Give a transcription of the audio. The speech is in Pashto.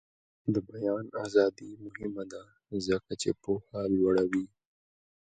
د بیان ازادي مهمه ده ځکه چې پوهه لوړوي.